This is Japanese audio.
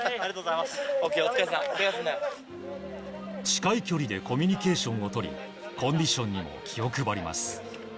近い距離でコミュニケーションを取りコンディションにも気を配ります。